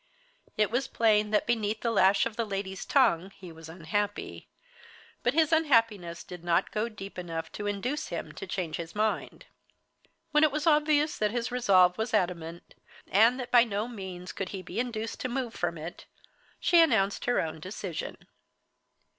It was plain that, beneath the lash of the lady's tongue, he was unhappy. But his unhappiness did not go deep enough to induce him to change his mind. When it was obvious that his resolve was adamant, and that by no means could he be induced to move from it, she announced her own decision.